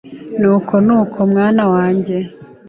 Nuko nuko mwana wanjye